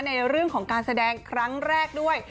ในเรื่องของการแสดงครั้งแรกด้วย